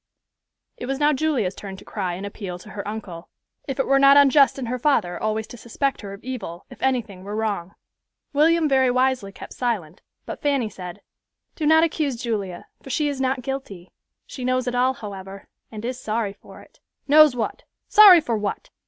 It was now Julia's turn to cry and appeal to her uncle, if it were not unjust in her father always to suspect her of evil, if anything were wrong. William very wisely kept silent, but Fanny said, "Do not accuse Julia, for she is not guilty. She knows it all, however, and is sorry for it." "Knows what? Sorry for what?